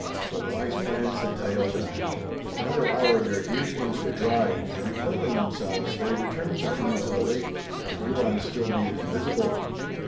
"A wise plan," said Tayoga. In another hour their deerskins were dry, and reclothing themselves they returned the canoe to the lake, the Hurons still being invisible.